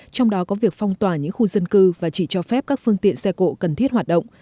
trong đó có việc phong tỏa những khu dân cư và chỉ cho phép các phương tiện xe cộ cần thiết hoạt động